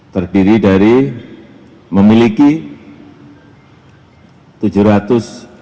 terdiri dari memiliki tujuh belas pulau